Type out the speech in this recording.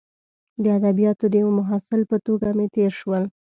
د ادبیاتو د یوه محصل په توګه مې تیر شول.